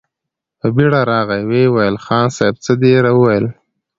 په بېړه راغی، ويې ويل: خان صيب! څه دې ويل؟